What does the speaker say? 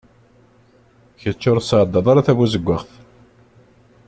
Kečč ur tsɛeddaḍ ara tabuzeggaɣt.